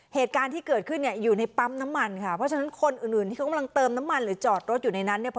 เหตุการณ์ที่เกิดขึ้นเนี่ยอยู่ในปั๊มน้ำมันค่ะเพราะฉะนั้นคนอื่นอื่นที่เขากำลังเติมน้ำมันหรือจอดรถอยู่ในนั้นเนี่ย